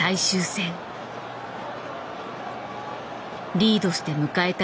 リードして迎えた